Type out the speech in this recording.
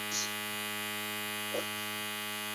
黄花蔺为花蔺科黄花蔺属下的一个种。